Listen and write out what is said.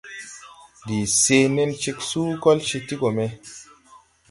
Ndi sèe nen ceg suu, kol cee ti go me.